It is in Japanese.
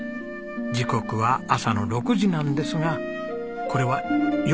時刻は朝の６時なんですがこれはヨガでしょうか？